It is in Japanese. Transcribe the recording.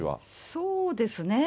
そうですね。